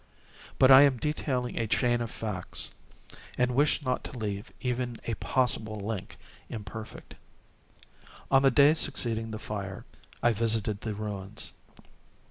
But I am detailing a chain of facts—and wish not to leave even a possible link imperfect. On the day succeeding the fire, I visited the ruins.